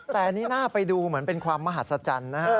แต่นี่น่าไปดูเหมือนเป็นความมหัศจรรย์นะฮะ